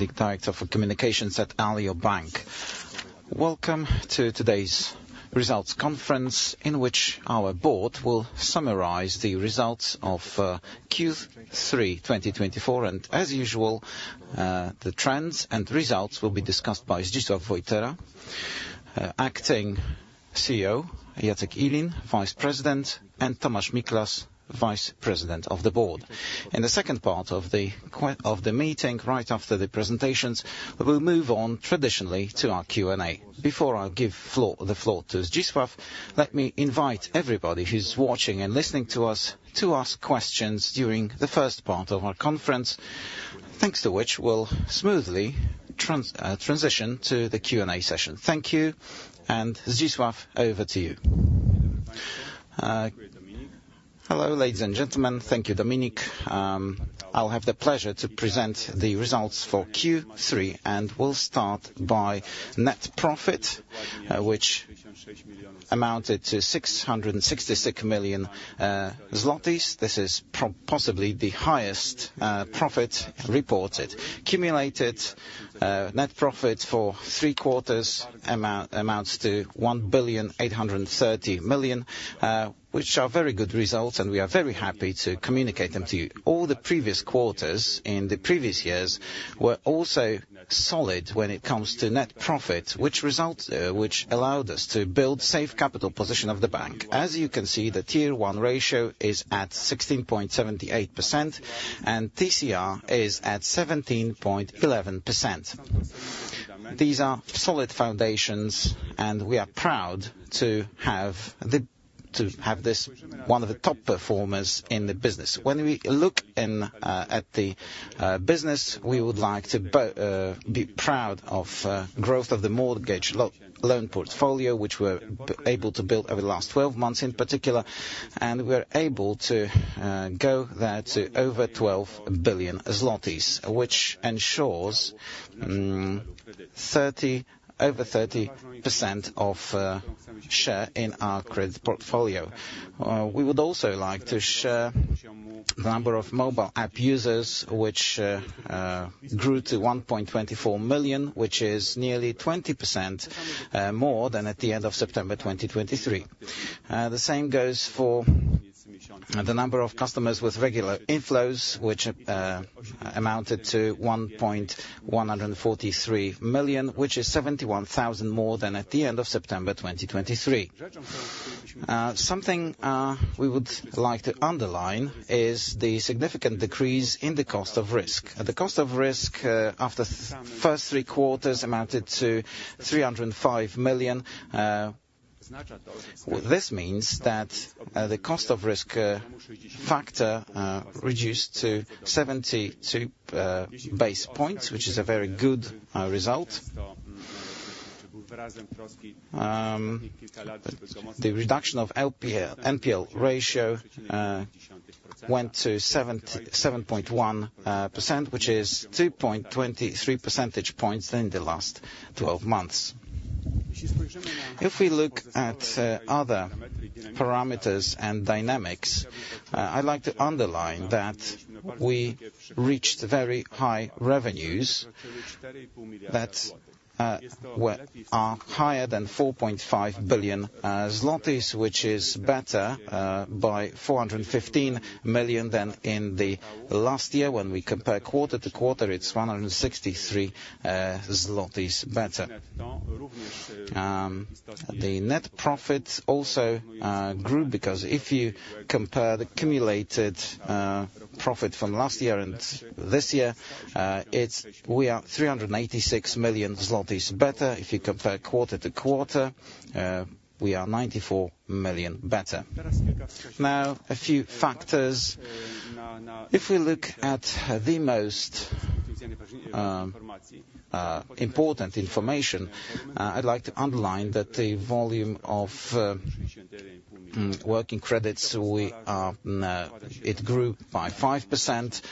The Director for Communications at Alior Bank. Welcome to today's results conference, in which our board will summarize the results of Q3 2024. As usual, the trends and results will be discussed by Zdzisław Wojtera, Acting CEO, Jacek Iljin, Vice President, and Tomasz Miklas, Vice President of the Board. In the second part of the meeting, right after the presentations, we'll move on traditionally to our Q&A. Before I give the floor to Zdzisław, let me invite everybody who's watching and listening to us to ask questions during the first part of our conference, thanks to which we'll smoothly transition to the Q&A session. Thank you, and Zdzisław, over to you. Hello, ladies and gentlemen. Thank you, Dominik. I'll have the pleasure to present the results for Q3, and we'll start by net profit, which amounted to 666 million zlotys. This is possibly the highest profit reported. Cumulated net profit for three quarters amounts to 1.83 billion, which are very good results, and we are very happy to communicate them to you. All the previous quarters in the previous years were also solid when it comes to net profit, which allowed us to build safe capital position of the bank. As you can see, the tier 1 ratio is at 16.78%, and TCR is at 17.11%. These are solid foundations, and we are proud to have this, one of the top performers in the business. When we look in at the business, we would like to be proud of growth of the mortgage loan portfolio, which we're able to build over the last twelve months in particular, and we're able to go there to over 12 billion zlotys, which ensures over 30% share in our credit portfolio. We would also like to share the number of mobile app users, which grew to 1.24 million, which is nearly 20% more than at the end of September 2023. The same goes for the number of customers with regular inflows, which amounted to 1.143 million, which is 71,000 more than at the end of September 2023. Something we would like to underline is the significant decrease in the cost of risk. The cost of risk after the first three quarters amounted to 305 million. This means that the cost of risk factor reduced to 72 basis points, which is a very good result. The reduction of NPL ratio went to 77.1%, which is 2.23 percentage points in the last twelve months. If we look at other parameters and dynamics, I'd like to underline that we reached very high revenues that are higher than 4.5 billion zlotys, which is better by 415 million than in the last year. When we compare quarter to quarter, it's 163 zlotys better. The net profit also grew, because if you compare the cumulative profit from last year and this year, it's we are 386 million zlotys better. If you compare quarter to quarter, we are 94 million better. Now, a few factors. If we look at the most important information, I'd like to underline that the volume of working credits, it grew by 5%,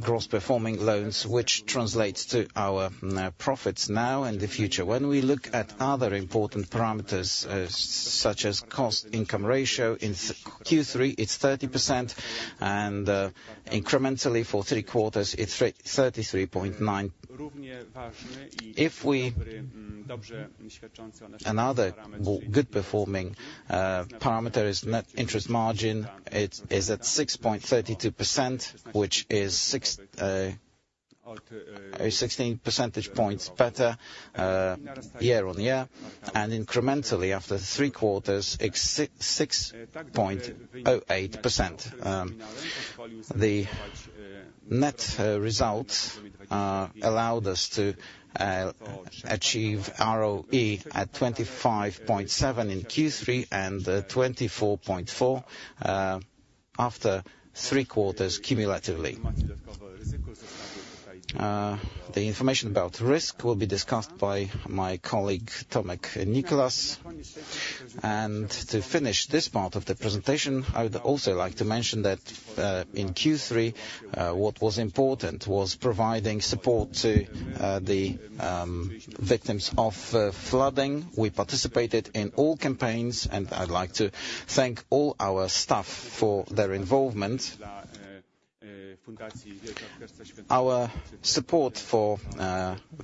gross performing loans, which translates to our profits now and the future. When we look at other important parameters, such as cost-to-income ratio, in Q3, it's 30%, and incrementally for three quarters, it's 33.9%. Another good performing parameter is net interest margin. It is at 6.32%, which is 16 percentage points better year on year, and incrementally after three quarters, it's 6.08%. The net results allowed us to achieve ROE at 25.7 in Q3, and 24.4 after three quarters cumulatively. The information about risk will be discussed by my colleague, Tomek Miklas, and to finish this part of the presentation, I would also like to mention that in Q3, what was important was providing support to the victims of flooding. We participated in all campaigns, and I'd like to thank all our staff for their involvement. Our support for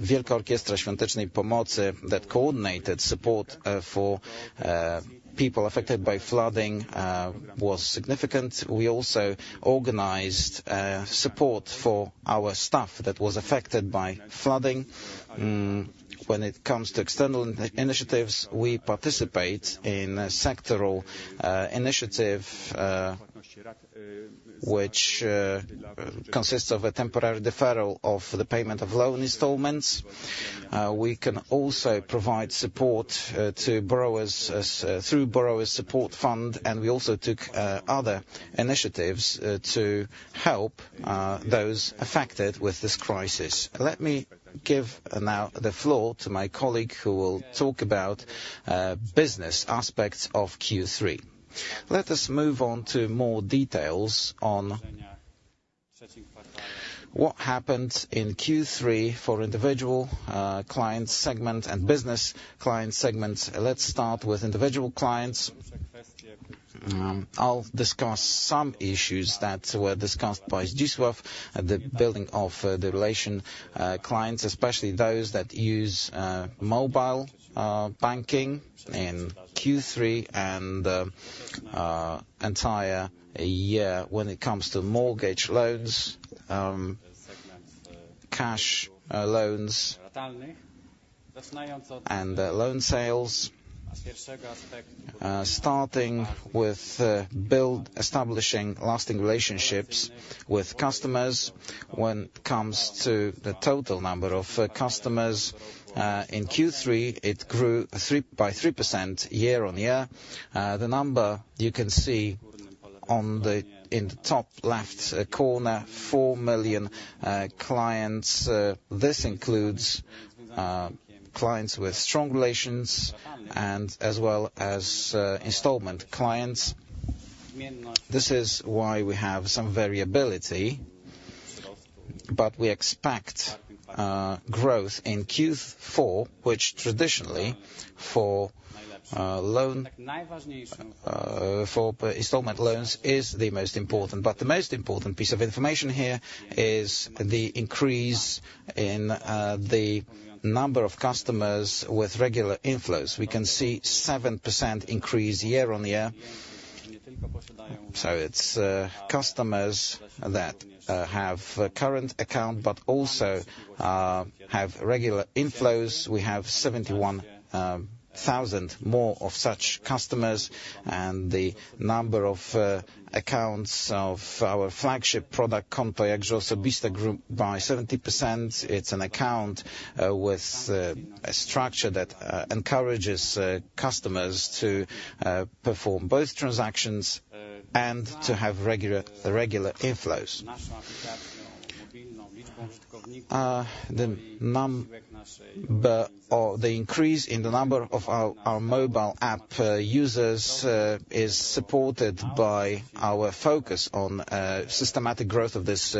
Wielka Orkiestra Świątecznej Pomocy that coordinated support for people affected by flooding was significant. We also organized support for our staff that was affected by flooding. When it comes to external initiatives, we participate in a sectoral initiative, which consists of a temporary deferral of the payment of loan installments. We can also provide support to borrowers through Borrower Support Fund, and we also took other initiatives to help those affected with this crisis. Let me give now the floor to my colleague, who will talk about business aspects of Q3. Let us move on to more details on what happened in Q3 for individual client segment and business client segments. Let's start with individual clients. I'll discuss some issues that were discussed by Zdzisław, the building of the relation, clients, especially those that use mobile banking in Q3 and entire year when it comes to mortgage loans, cash loans and loan sales. Starting with establishing lasting relationships with customers. When it comes to the total number of customers in Q3, it grew by 3% year-on-year. The number you can see in the top left corner, four million clients. This includes clients with strong relations and as well as installment clients. This is why we have some variability, but we expect growth in Q4, which traditionally for loan for installment loans is the most important. But the most important piece of information here is the increase in the number of customers with regular inflows. We can see 7% increase year-on-year, so it's customers that have a current account, but also have regular inflows. We have 71 thousand more of such customers, and the number of accounts of our flagship product, Konto Jakże Osobiste, grew by 70%. It's an account with a structure that encourages customers to perform both transactions and to have regular inflows. The increase in the number of our mobile app users is supported by our focus on systematic growth of this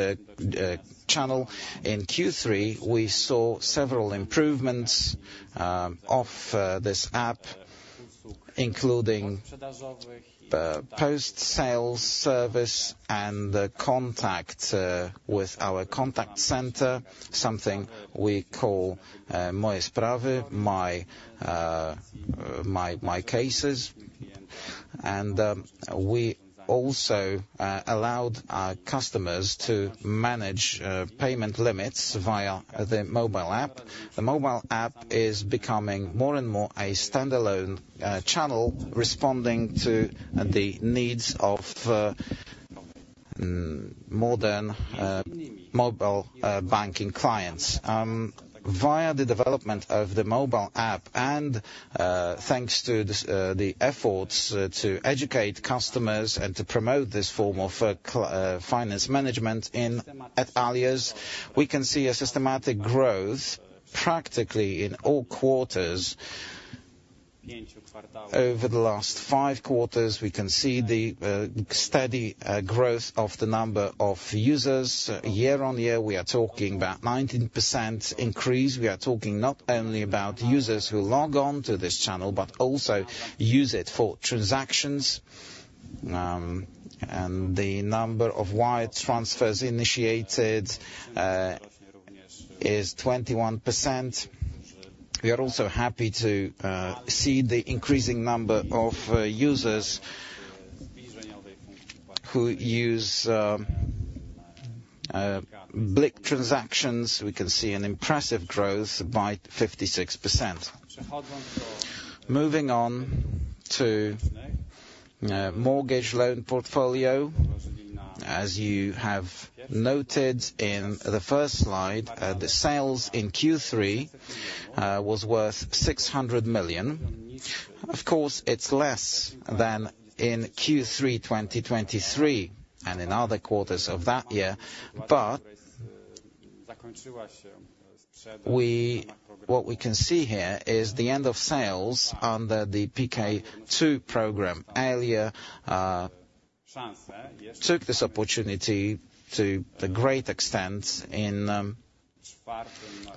channel. In Q3, we saw several improvements of this app, including post-sale service and the contact with our contact center, something we call Moje Sprawy, My Cases, and we also allowed our customers to manage payment limits via the mobile app. The mobile app is becoming more and more a standalone channel, responding to the needs of modern mobile banking clients. Via the development of the mobile app and thanks to this, the efforts to educate customers and to promote this form of finance management in at Alior, we can see a systematic growth practically in all quarters. Over the last five quarters, we can see the steady growth of the number of users year-on-year. We are talking about 19% increase. We are talking not only about users who log on to this channel, but also use it for transactions. And the number of wire transfers initiated is 21%. We are also happy to see the increasing number of users who use BLIK transactions. We can see an impressive growth by 56%. Moving on to mortgage loan portfolio. As you have noted in the first slide, the sales in Q3 was worth 600 million. Of course, it's less than in Q3 2023, and in other quarters of that year, but what we can see here is the end of sales under the BK2 program. Alior took this opportunity to a great extent in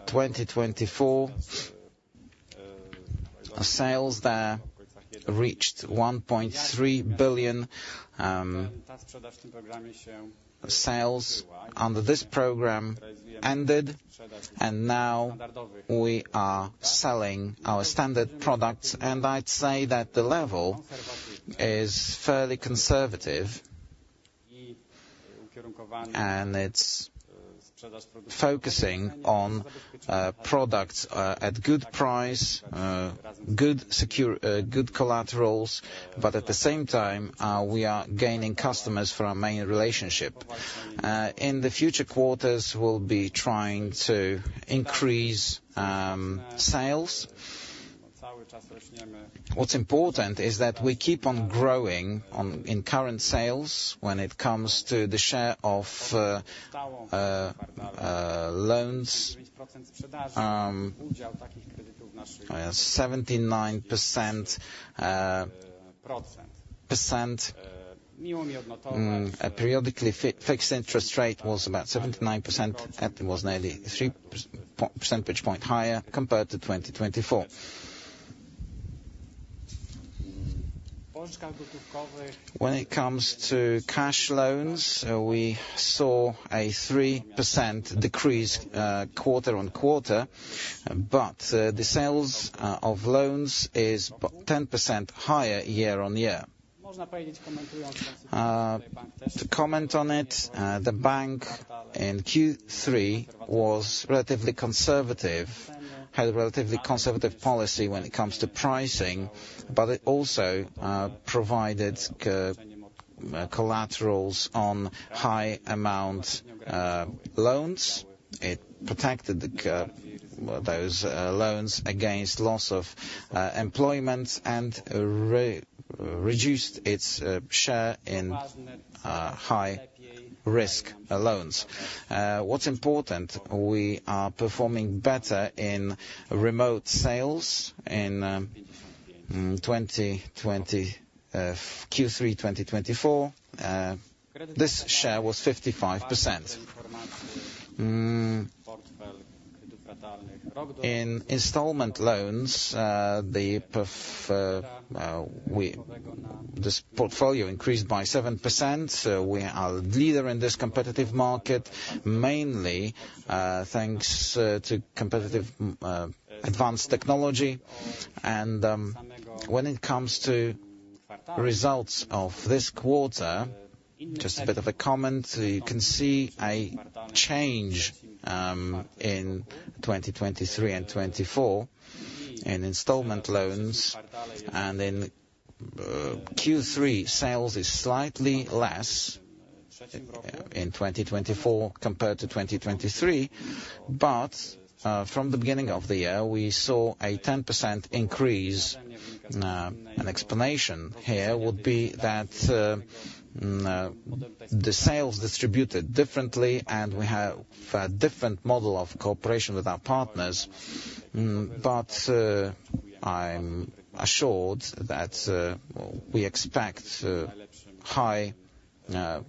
2024. Sales there reached 1.3 billion. Sales under this program ended, and now we are selling our standard products, and I'd say that the level is fairly conservative. It's focusing on products at good price, good security, good collaterals, but at the same time, we are gaining customers for our main relationship. In the future quarters, we'll be trying to increase sales. What's important is that we keep on growing in current sales when it comes to the share of loans. 79% fixed interest rate was about 79%, and it was nearly three percentage points higher compared to 2024. When it comes to cash loans, we saw a 3% decrease quarter on quarter, but the sales of loans is 10% higher year on year. To comment on it, the bank in Q3 was relatively conservative, had a relatively conservative policy when it comes to pricing, but it also provided collaterals on high amount loans. It protected those loans against loss of employment and reduced its share in high-risk loans. What's important, we are performing better in remote sales in 2020. In Q3 2024, this share was 55%. In installment loans, this portfolio increased by 7%, so we are a leader in this competitive market, mainly thanks to competitive advanced technology. And, when it comes to results of this quarter, just a bit of a comment, you can see a change in 2023 and 2024 in installment loans and in Q3, sales is slightly less in 2024 compared to 2023, but from the beginning of the year, we saw a 10% increase. An explanation here would be that the sales distributed differently, and we have a different model of cooperation with our partners. But, I'm assured that we expect high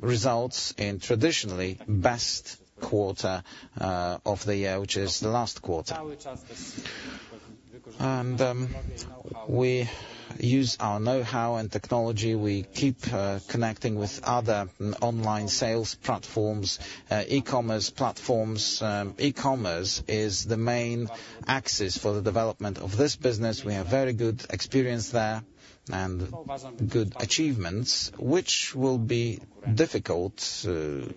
results in traditionally best quarter of the year, which is the last quarter. And, we use our know-how and technology. We keep connecting with other online sales platforms, e-commerce platforms. E-commerce is the main axis for the development of this business. We have very good experience there and good achievements, which will be difficult,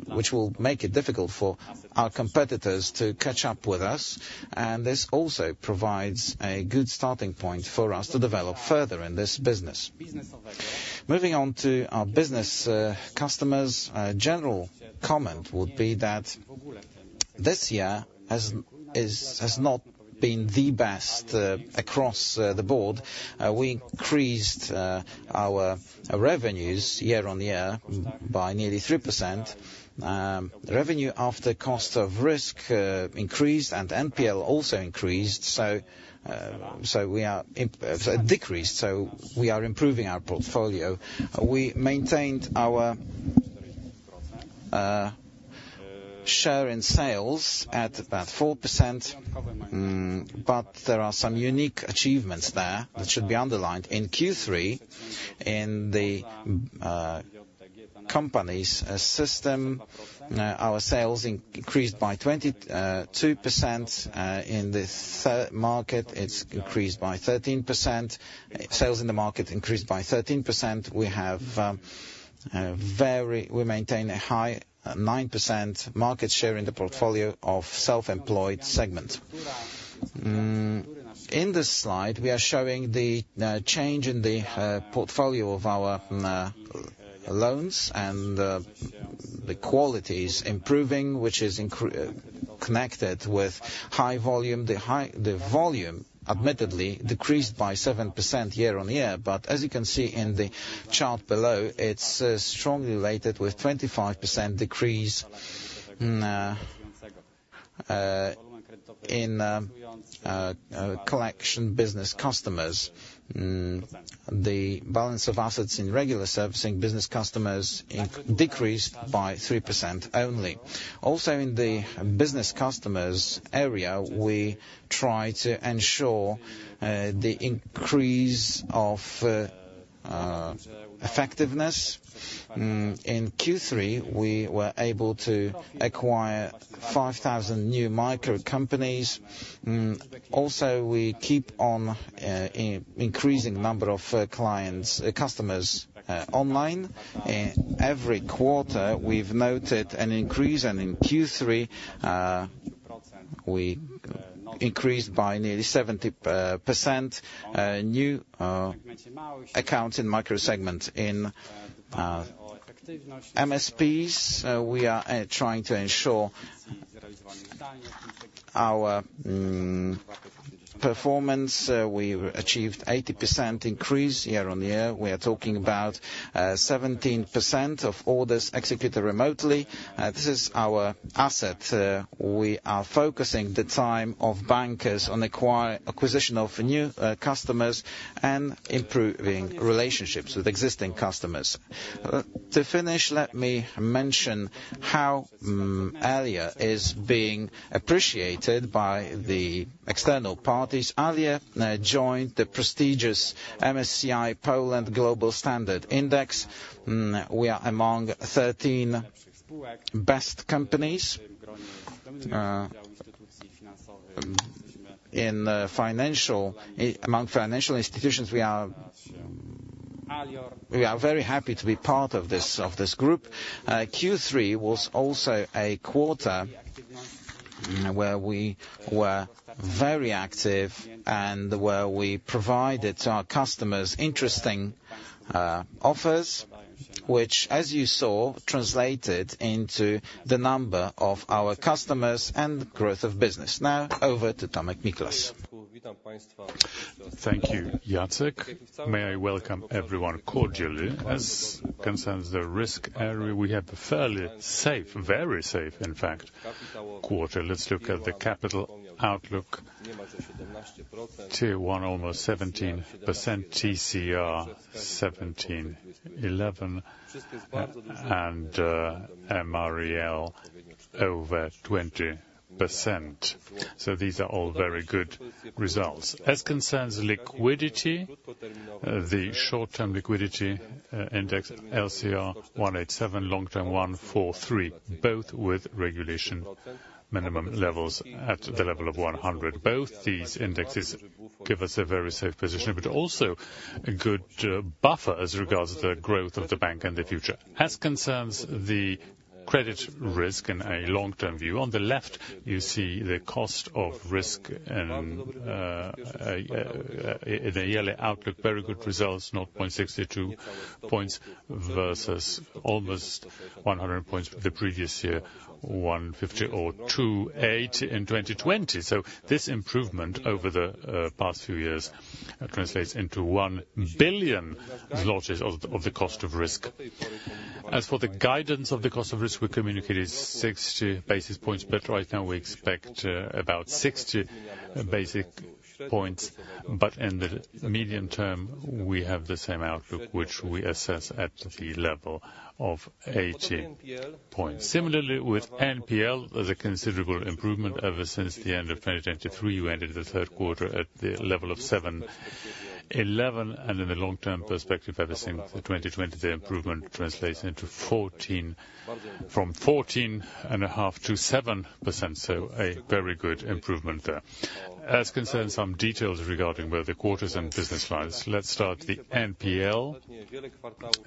which will make it difficult for our competitors to catch up with us, and this also provides a good starting point for us to develop further in this business. Moving on to our business customers, a general comment would be that this year has not been the best across the board. We increased our revenues year on year by nearly 3%. Revenue after cost of risk increased and NPL also decreased, so we are improving our portfolio. We maintained our share in sales at about 4%, but there are some unique achievements there that should be underlined. In Q3, in the Kompas system, our sales increased by 22%. In the third market, it's increased by 13%. Sales in the market increased by 13%. We have a very. We maintain a high 9% market share in the portfolio of self-employed segment. In this slide, we are showing the change in the portfolio of our loans and the quality is improving, which is increasingly connected with high volume. The volume, admittedly, decreased by 7% year on year, but as you can see in the chart below, it's strongly related with 25% decrease in collection business customers. The balance of assets in regular servicing business customers, it decreased by 3% only. Also, in the business customers area, we try to ensure the increase of effectiveness. In Q3, we were able to acquire five thousand new micro companies. Also, we keep on increasing number of clients, customers online. Every quarter, we've noted an increase, and in Q3, we increased by nearly 70% new accounts in micro segment. In MSPs, we are trying to ensure our performance. We've achieved 80% increase year-on-year. We are talking about 17% of orders executed remotely. This is our asset. We are focusing the time of bankers on acquisition of new customers and improving relationships with existing customers. To finish, let me mention how Alior is being appreciated by the external parties. Alior joined the prestigious MSCI Poland Global Standard Index. We are among 13 best companies in, among financial institutions. We are very happy to be part of this group. Q3 was also a quarter where we were very active and where we provided to our customers interesting offers, which, as you saw, translated into the number of our customers and growth of business. Now, over to Tomek Miklas. Thank you, Jacek. May I welcome everyone cordially. As concerns the risk area, we have a fairly safe, very safe, in fact, quarter. Let's look at the capital outlook. Tier 1, almost 17%, TCR, 17.11%, and, MREL, over 20%. So these are all very good results. As concerns liquidity, the short-term liquidity, index, LCR, 187, long-term, 143, both with regulatory minimum levels at the level of 100. Both these indexes give us a very safe position, but also a good, buffer as regards the growth of the bank in the future. As concerns the credit risk in a long-term view, on the left, you see the cost of risk and in the yearly outlook, very good results, 0.62 points, versus almost 100 points the previous year, 150 or 280 in 2020. So this improvement over the past few years translates into 1 billion zlotys of the cost of risk. As for the guidance of the cost of risk, we communicated 60 basis points, but right now we expect about 60 basis points. But in the medium term, we have the same outlook, which we assess at the level of 80 points. Similarly, with NPL, there's a considerable improvement ever since the end of 2023. We ended the third quarter at the level of 7.11, and in the long-term perspective, ever since 2020, the improvement translates into 14, from 14.5% to 7%, so a very good improvement there. As concerns some details regarding both the quarters and business lines, let's start with the NPL.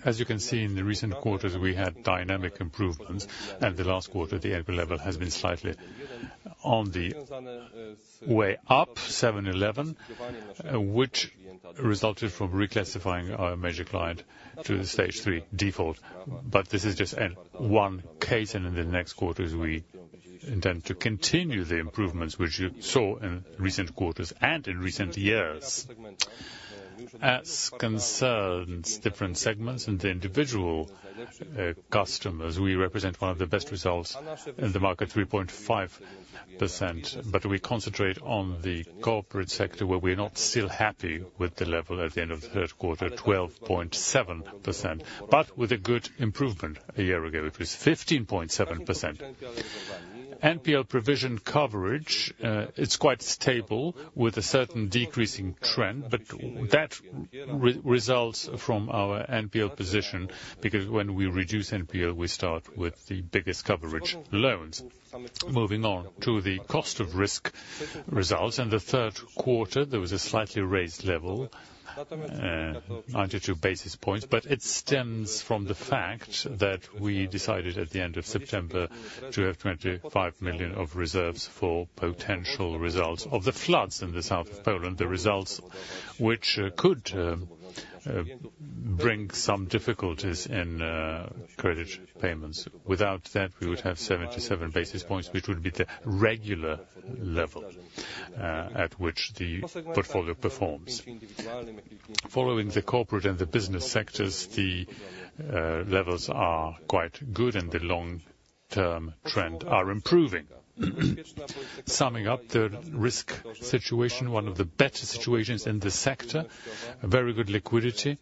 As you can see, in the recent quarters, we had dynamic improvements, and the last quarter, the NPL level has been slightly on the way up, 7.11, which resulted from reclassifying our major client to the stage three default. But this is just a one case, and in the next quarters, we intend to continue the improvements which you saw in recent quarters and in recent years. As concerns different segments and the individual customers, we represent one of the best results in the market, 3.5%. But we concentrate on the corporate sector, where we're not still happy with the level at the end of the third quarter, 12.7%, but with a good improvement. A year ago, it was 15.7%. NPL provision coverage, it's quite stable, with a certain decreasing trend, but that results from our NPL position, because when we reduce NPL, we start with the biggest coverage loans. Moving on to the cost of risk results. In the third quarter, there was a slightly raised level, 92 basis points, but it stems from the fact that we decided, at the end of September, to have 25 million of reserves for potential results of the floods in the south of Poland, the results which could bring some difficulties in credit payments. Without that, we would have 77 basis points, which would be the regular level at which the portfolio performs. Following the corporate and the business sectors, the levels are quite good in the long-term trend are improving. Summing up the risk situation, one of the better situations in the sector, a very good liquidity,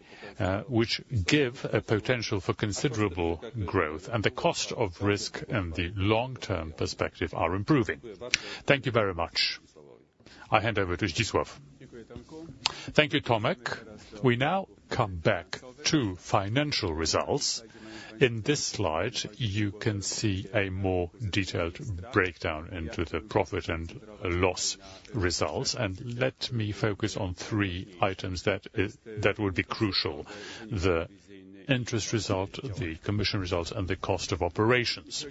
which give a potential for considerable growth, and the cost of risk in the long-term perspective are improving. Thank you very much. I hand over to Zdzisław. Thank you, Tomek. We now come back to financial results. In this slide, you can see a more detailed breakdown into the profit and loss results, and let me focus on three items that is, that will be crucial. The interest result, the commission result, and the cost of operations.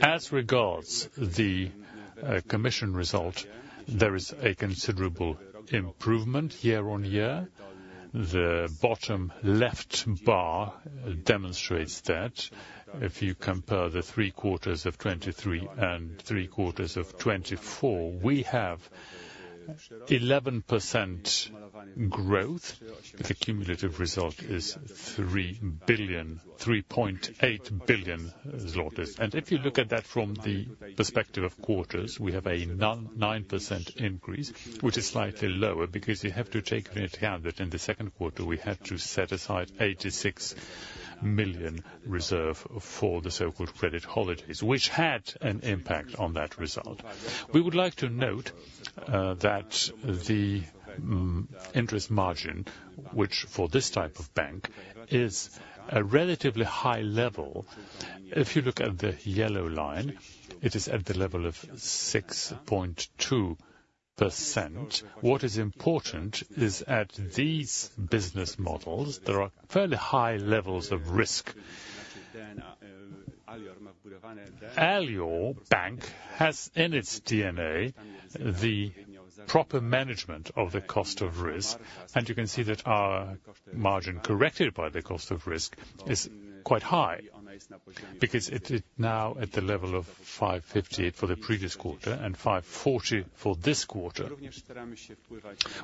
As regards the commission result, there is a considerable improvement year on year. The bottom left bar demonstrates that. If you compare the three quarters of 2023 and three quarters of 2024, we have 11% growth. The cumulative result is 3 billion, 3.8 billion zlotys. If you look at that from the perspective of quarters, we have a 9.9% increase, which is slightly lower because you have to take into account that in the second quarter, we had to set aside 86 million reserve for the so-called Credit Holidays, which had an impact on that result. We would like to note that the interest margin, which for this type of bank, is a relatively high level. If you look at the yellow line, it is at the level of 6.2%. What is important is, at these business models, there are fairly high levels of risk. Alior Bank has, in its DNA, the proper management of the cost of risk, and you can see that our margin, corrected by the cost of risk, is quite high, because it is now at the level of 5.58 for the previous quarter and 5.40 for this quarter.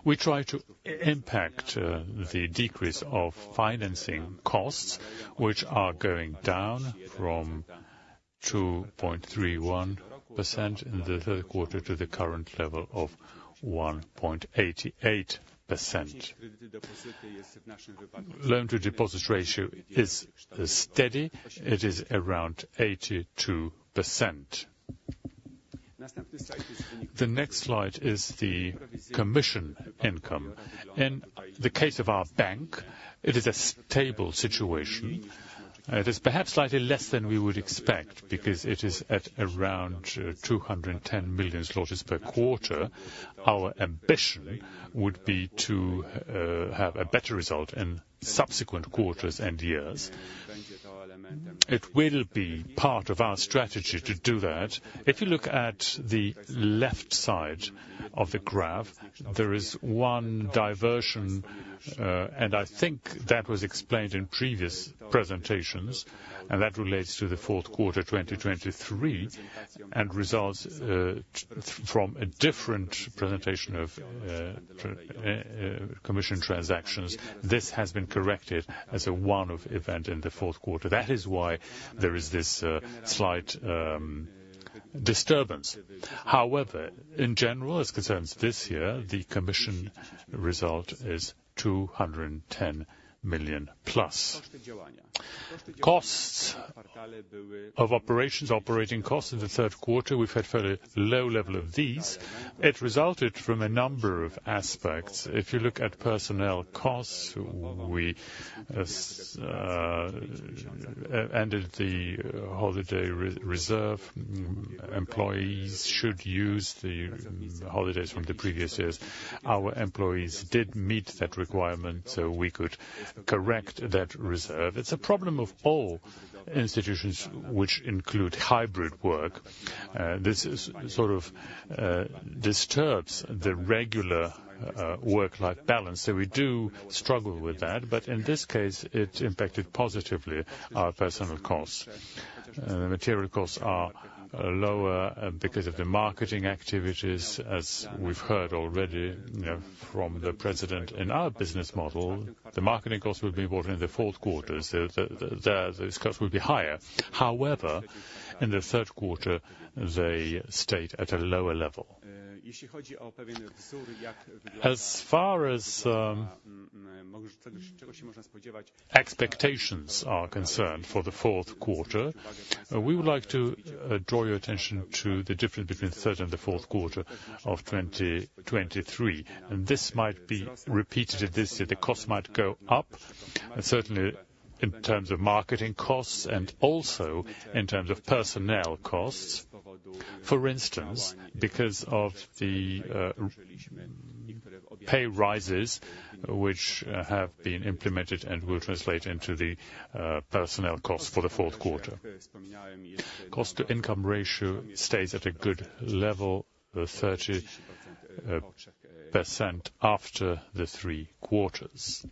We try to impact the decrease of financing costs, which are going down from 2.31% in the third quarter to the current level of 1.88%. Loan to deposit ratio is steady. It is around 82%. The next slide is the commission income. In the case of our bank, it is a stable situation. It is perhaps slightly less than we would expect, because it is at around 210 million per quarter. Our ambition would be to have a better result in subsequent quarters and years. It will be part of our strategy to do that. If you look at the left side of the graph, there is one diversion, and I think that was explained in previous presentations, and that relates to the fourth quarter, 2023, and results from a different presentation of commission transactions. This has been corrected as a one-off event in the fourth quarter. That is why there is this slight disturbance. However, in general, as concerns this year, the commission result is 210 million-plus. Costs of operations, operating costs in the third quarter, we've had fairly low level of these. It resulted from a number of aspects. If you look at personnel costs, we ended the holiday reserve. Employees should use the holidays from the previous years. Our employees did meet that requirement, so we could correct that reserve. It's a problem of all institutions which include hybrid work. This is, sort of, disturbs the regular work-life balance, so we do struggle with that, but in this case, it impacted positively our personnel costs. Material costs are lower because of the marketing activities. As we've heard already, you know, from the president, in our business model, the marketing costs will be more in the fourth quarter, so those costs will be higher. However, in the third quarter, they stayed at a lower level. As far as expectations are concerned for the fourth quarter, we would like to draw your attention to the difference between the third and the fourth quarter of 2023, and this might be repeated this year. The costs might go up, certainly in terms of marketing costs and also in terms of personnel costs. For instance, because of the pay rises which have been implemented and will translate into the personnel costs for the fourth quarter. Cost-to-income ratio stays at a good level, 30% after the three quarters.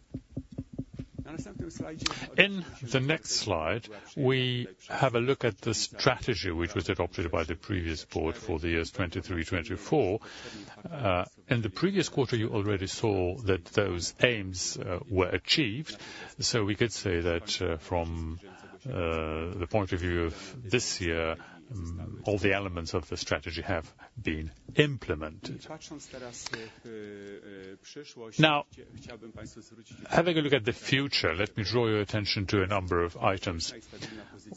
In the next slide, we have a look at the strategy which was adopted by the previous board for the years 2023, 2024. In the previous quarter, you already saw that those aims were achieved, so we could say that from the point of view of this year. All the elements of the strategy have been implemented. Now, having a look at the future, let me draw your attention to a number of items.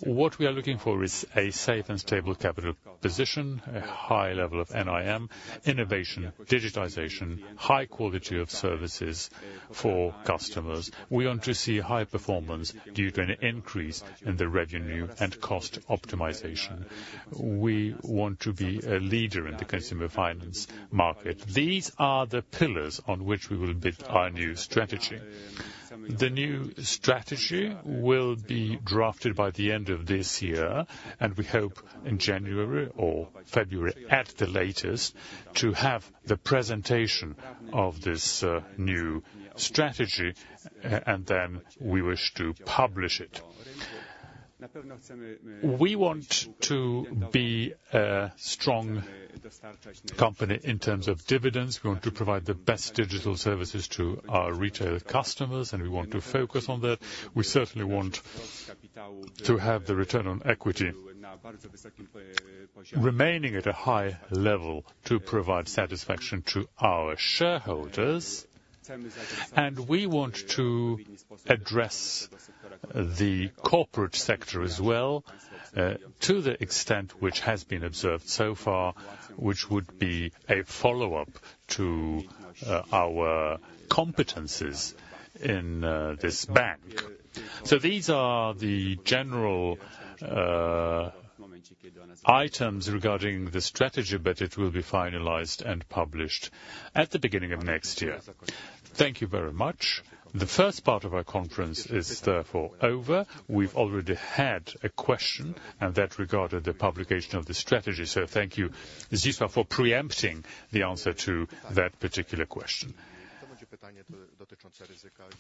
What we are looking for is a safe and stable capital position, a high level of NIM, innovation, digitization, high quality of services for customers. We want to see high performance due to an increase in the revenue and cost optimization. We want to be a leader in the consumer finance market. These are the pillars on which we will build our new strategy. The new strategy will be drafted by the end of this year, and we hope in January or February, at the latest, to have the presentation of this new strategy, and then we wish to publish it. We want to be a strong company in terms of dividends. We want to provide the best digital services to our retail customers, and we want to focus on that. We certainly want to have the return on equity remaining at a high level to provide satisfaction to our shareholders, and we want to address the corporate sector as well, to the extent which has been observed so far, which would be a follow-up to, our competencies in, this bank. So these are the general, items regarding the strategy, but it will be finalized and published at the beginning of next year. Thank you very much. The first part of our conference is therefore over. We've already had a question, and that regarded the publication of the strategy, so thank you, Zdzisław, for preempting the answer to that particular question.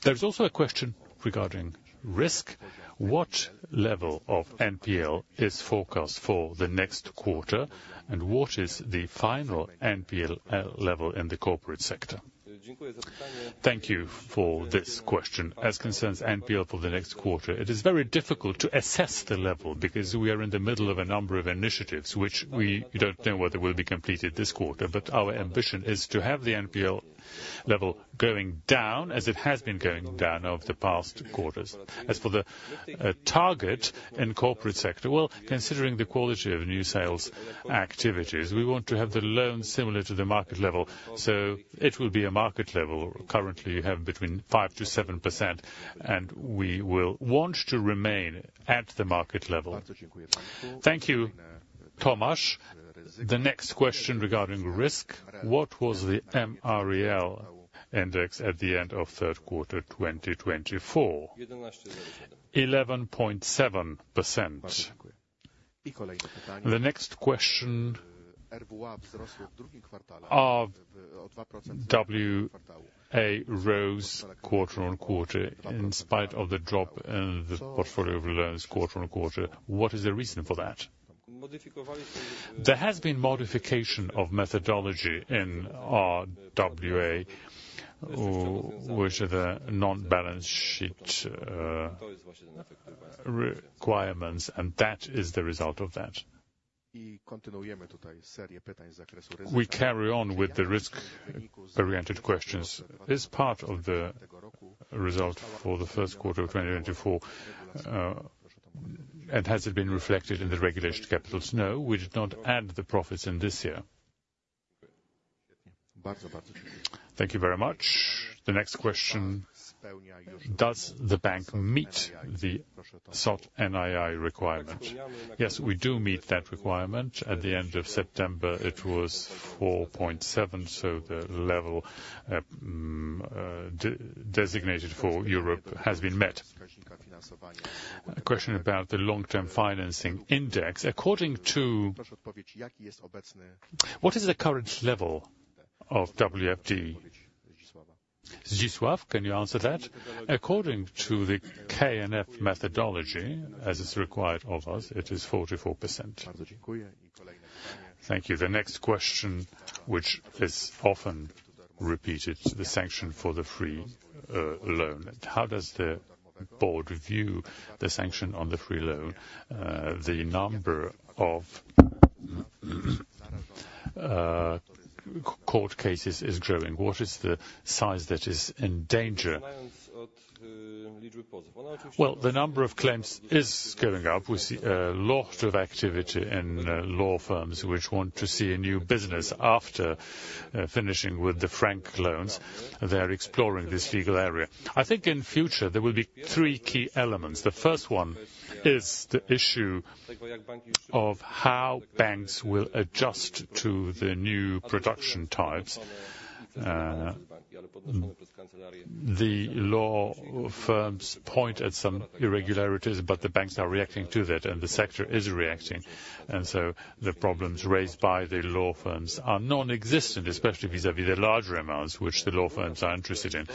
There's also a question regarding risk. What level of NPL is forecast for the next quarter, and what is the final NPL, level in the corporate sector? Thank you for this question. As concerns NPL for the next quarter, it is very difficult to assess the level, because we are in the middle of a number of initiatives which we don't know whether will be completed this quarter. But our ambition is to have the NPL level going down, as it has been going down over the past quarters. As for the target in corporate sector, well, considering the quality of new sales activities, we want to have the loans similar to the market level, so it will be a market level. Currently, you have between 5%-7%, and we will want to remain at the market level. Thank you, Tomasz. The next question regarding risk: What was the MREL index at the end of third quarter, twenty twenty-four? 11.7%. The next question... RWA rose quarter on quarter, in spite of the drop in the portfolio of loans quarter on quarter. What is the reason for that? There has been modification of methodology in our RWA, which are the non-balance sheet requirements, and that is the result of that. We carry on with the risk-oriented questions. This part of the result for the first quarter of 2024, and has it been reflected in the regulatory capitals? No, we did not add the profits in this year. Thank you very much. The next question: Does the bank meet the SOT NII requirement? Yes, we do meet that requirement. At the end of September, it was 4.7, so the level designated for Europe has been met. A question about the long-term financing index. According to- What is the current level of WFD? Zdzisław, can you answer that? According to the KNF methodology, as is required of us, it is 44%. Thank you. The next question, which is often repeated, the sanction for the franc loan. How does the board view the sanction on the franc loan? The number of court cases is growing. What is the size that is in danger? Well, the number of claims is going up. We see a lot of activity in law firms, which want to see a new business after finishing with the franc loans. They're exploring this legal area. I think in future, there will be three key elements. The first one is the issue of how banks will adjust to the new production types. The law firms point at some irregularities, but the banks are reacting to that, and the sector is reacting, and so the problems raised by the law firms are non-existent, especially vis-à-vis the larger amounts, which the law firms are interested in.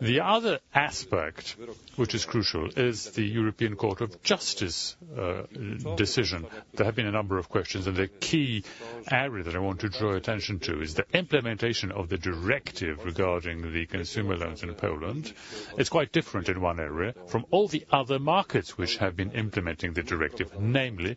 The other aspect, which is crucial, is the European Court of Justice decision. There have been a number of questions, and the key area that I want to draw attention to is the implementation of the directive regarding the consumer loans in Poland. It's quite different in one area from all the other markets which have been implementing the directive. Namely,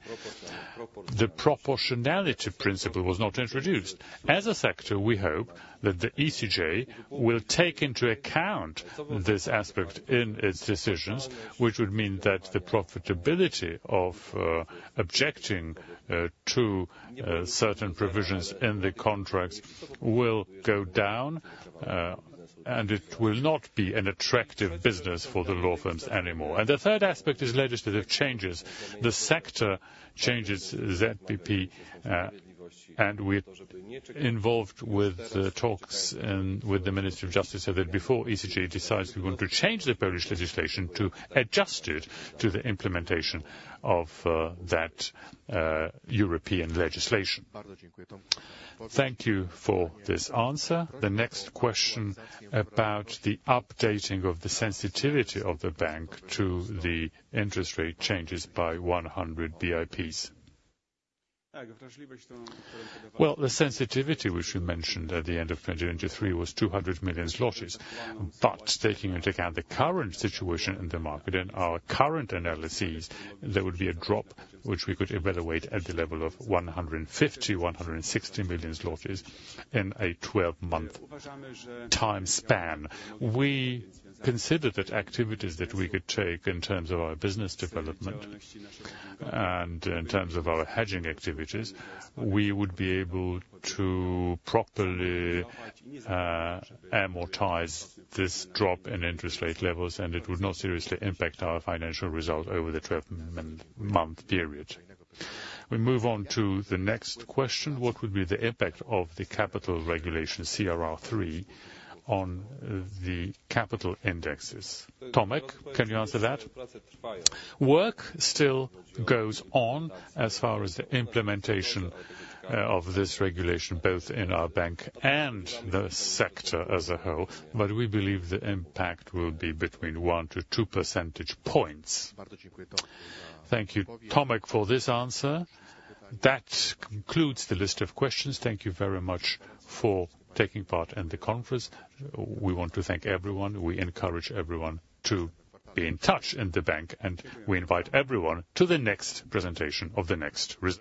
the proportionality principle was not introduced. As a sector, we hope that the ECJ will take into account this aspect in its decisions, which would mean that the profitability of objecting to certain provisions in the contracts will go down, and it will not be an attractive business for the law firms anymore. The third aspect is legislative changes. The sector changes ZBP, and we're involved with the talks and with the Minister of Justice, so that before ECJ decides, we're going to change the Polish legislation to adjust it to the implementation of that European legislation. Thank you for this answer. The next question about the updating of the sensitivity of the bank to the interest rate changes by 100 basis points. The sensitivity, which we mentioned at the end of 2023, was 200 million zlotys. But taking into account the current situation in the market and our current analyses, there would be a drop, which we could evaluate at the level of 150-160 million zlotys in a 12-month time span. We consider that activities that we could take in terms of our business development and in terms of our hedging activities, we would be able to properly amortize this drop in interest rate levels, and it would not seriously impact our financial result over the 12-month period. We move on to the next question: What would be the impact of the capital regulation, CRR III, on the capital indexes? Tomek, can you answer that? Work still goes on as far as the implementation of this regulation, both in our bank and the sector as a whole, but we believe the impact will be between one to two percentage points. Thank you, Tomek, for this answer. That concludes the list of questions. Thank you very much for taking part in the conference. We want to thank everyone. We encourage everyone to be in touch in the bank, and we invite everyone to the next presentation of the next results.